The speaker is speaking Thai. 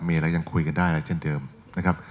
มีอะไรยังคุยกันได้แล้วเช่นเดิมนะครับ